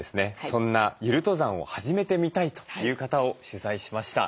そんなゆる登山を始めてみたいという方を取材しました。